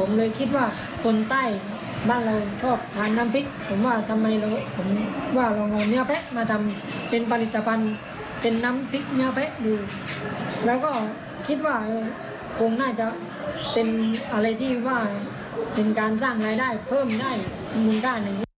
ผมเลยคิดว่าคนใต้บ้านเราชอบทานน้ำพริกผมว่าทำไมผมว่าลองเอาเนื้อแพะมาทำเป็นผลิตภัณฑ์เป็นน้ำพริกเนื้อแพะดูแล้วก็คิดว่าคงน่าจะเป็นอะไรที่ว่าเป็นการสร้างรายได้เพิ่มได้อีกหนึ่งด้านอย่างนี้